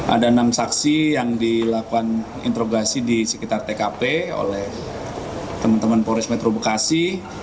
ada enam saksi yang dilakukan interogasi di sekitar tkp oleh teman teman polres metro bekasi